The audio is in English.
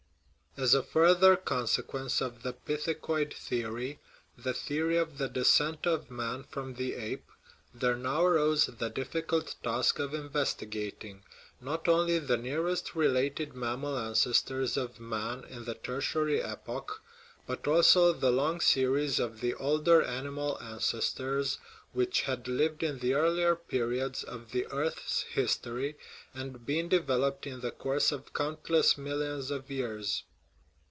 As a further consequence of the " pithecoid theory " 82 THE HISTORY OF OUR SPECIES (the theory of the descent of man from the ape) there now arose the difficult task of investigating, not only the nearest related mammal ancestors of man in the Tertiary epoch, but also the long series of the older ani mal ancestors which had lived in earlier periods of the earth's history and been developed in the course of countless millions of years.